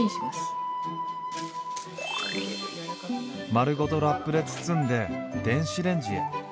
丸ごとラップで包んで電子レンジへ。